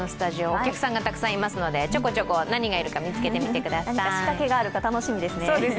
お客さんがたくさんいますので、ちょこちょこ、何がいるか何か仕掛けがあるか楽しみですね。